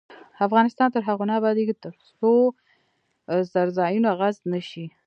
افغانستان تر هغو نه ابادیږي، ترڅو څرځایونه غصب نشي.